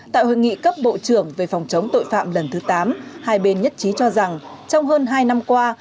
tại hội nghị cấp bộ trưởng về phòng chống tội phạm lần thứ tám hai bên nhất trí cho rằng trong hơn hai năm qua